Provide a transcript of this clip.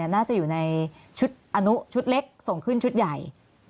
น่าจะอยู่ในชุดอนุชุดเล็กส่งขึ้นชุดใหญ่